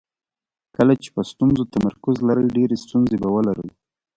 کله چې په ستونزو تمرکز لرئ ډېرې ستونزې به ولرئ.